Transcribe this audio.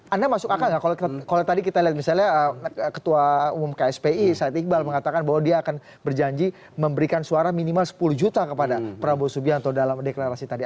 anda masuk akal nggak kalau tadi kita lihat misalnya ketua umum kspi said iqbal mengatakan bahwa dia akan berjanji memberikan suara minimal sepuluh juta kepada prabowo subianto dalam deklarasi tadi